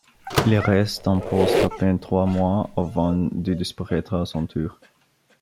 Il reste en poste à peine trois mois avant de disparaître à son tour.